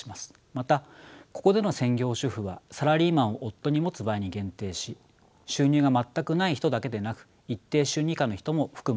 またここでの専業主婦はサラリーマンを夫に持つ場合に限定し収入が全くない人だけでなく一定収入以下の人も含むものとします。